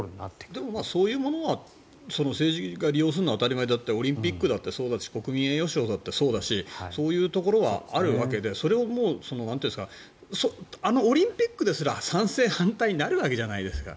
でもそういうものは政治が利用するのは当たり前でオリンピックだってそうだし国民栄誉賞もそうだしそういうところはあるわけであのオリンピックですら賛成、反対になるわけじゃないですか。